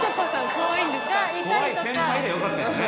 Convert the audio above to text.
怖い先輩でよかったよね。